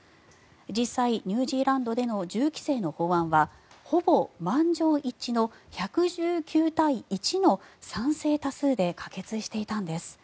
実際、ニュージーランドでの銃規制の法案はほぼ満場一致の１１９対１の賛成多数で可決していたんです。